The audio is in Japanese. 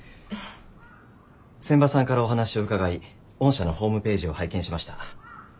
仙波さんからお話を伺い御社のホームページを拝見しました。